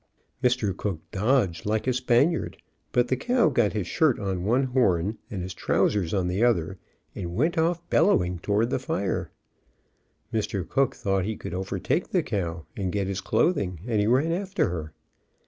Mr. Cook dodged like a Spaniard, but the cow got his shirt on one horn and his trousers on the other, and went off bellowing towards the fire. Mr. Cook thought he could overtake the cow and get his clothing, and he ran after her.